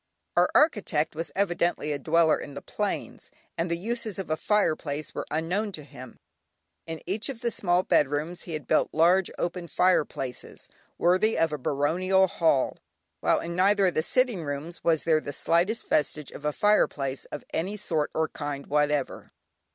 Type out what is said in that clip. Our architect was evidently a dweller in the plains, and the uses of a fireplace were unknown to him. In each of the small bedrooms he had built large open fireplaces, worthy of a baronial hall, while in neither of the sitting rooms was there the slightest vestige of a fireplace of any sort or kind whatever.